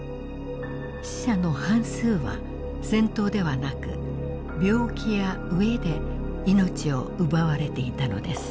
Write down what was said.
死者の半数は戦闘ではなく病気や飢えで命を奪われていたのです。